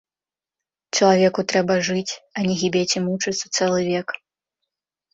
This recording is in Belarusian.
Чалавеку трэба жыць, а не гібець і мучыцца цэлы век!